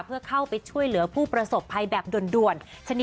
เพื่อเข้าไปช่วยเหลือผู้ประสบภัยแบบด่วน